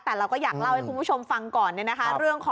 แต่เราก็อยากเล่าให้คุณผู้ชมฟังก่อนเนี่ยนะคะ